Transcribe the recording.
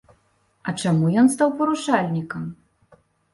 А чаму ён стаў парушальнікам?